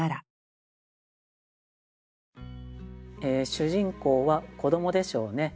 主人公は子どもでしょうね。